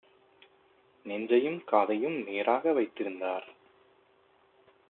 நெஞ்சையும் காதையும் நேராக வைத்திருந்தார்: